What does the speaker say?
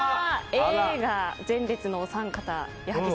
Ａが前列のお三方。